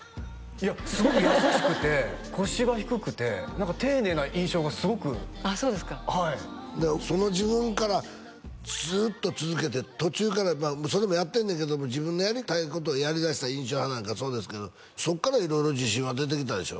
いやすごく優しくて腰が低くて丁寧な印象がすごくあっそうですかはいその自分からずっと続けて途中からそれもやってんねんけども自分のやりたいことをやりだした「印象派」なんかそうですけどそっから色々自信は出てきたでしょ？